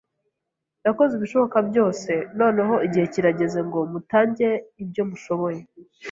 Nakoze ibishoboka byose. Noneho igihe kirageze ngo mutange ibyo mushoboye.